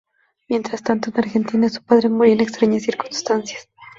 Mientras tanto, en Argentina, su padre moría en extrañas circunstancias.